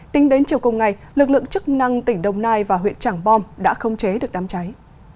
tính đến chiều cùng ngày lực lượng chức năng tỉnh đồng nai và huyện trảng bom đã không chế được đám cháy